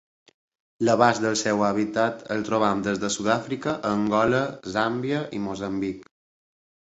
L'abast del seu hàbitat el trobem des de Sud-àfrica a Angola, Zàmbia i Moçambic.